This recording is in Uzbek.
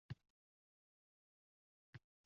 – Misralar misoli tor.